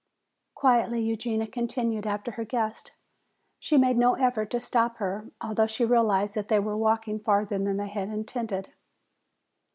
Quietly Eugenia continued after her guest. She made no effort to stop her, although she realized that they were walking farther than they had intended.